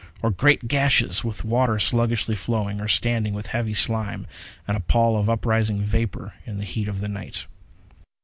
Or great gashes with water sluggishly flowing, or standing with a heavy slime, and a pall of uprising vapor in the heat of the night.